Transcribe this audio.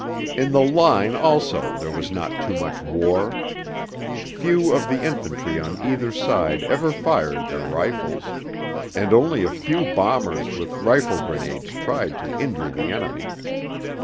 In the line also there was not too much war. Few of the infantry on either side ever fired their rifles; and only a few bombers with rifle grenades tried to injure the enemy.